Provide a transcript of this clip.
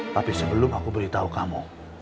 tapi sebelum aku beritahu kamu